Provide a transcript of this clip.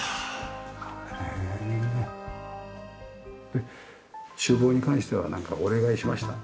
で厨房に関してはなんかお願いしました？